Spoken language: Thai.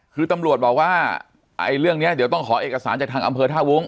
คือตำรวจบอกว่าไอ้เรื่องนี้เดี๋ยวต้องขอเอกสารจากทางอำเภอท่าวุ้ง